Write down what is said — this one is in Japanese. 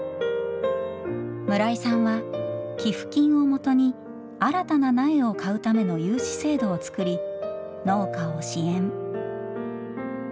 村井さんは寄付金を元に新たな苗を買うための融資制度を作り農家を支援。